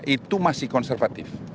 itu masih konservatif